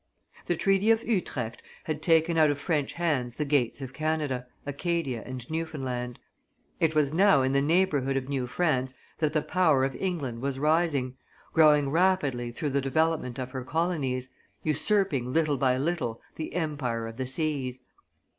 The treaty of Utrecht had taken out of French hands the gates of Canada, Acadia, and Newfoundland. It was now in the neighborhood of New France that the power of England was rising, growing rapidly through the development of her colonies, usurping little by little the empire of the seas.